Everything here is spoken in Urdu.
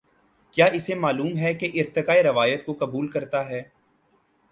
کیا اسے معلوم ہے کہ ارتقا روایت کو قبول کرتا ہے۔